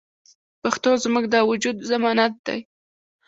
پښتو زموږ د وجود ضمانت دی.